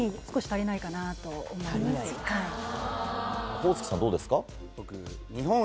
宝槻さんどうですか？